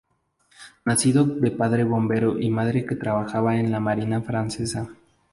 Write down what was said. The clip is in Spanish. Nacido de padre bombero y madre que trabajaba en la marina francesa.